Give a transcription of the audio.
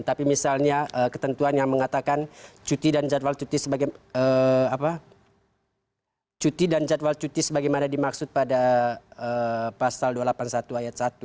tapi misalnya ketentuan yang mengatakan cuti dan jadwal cuti sebagaimana dimaksud pada pasal dua ratus delapan puluh satu ayat satu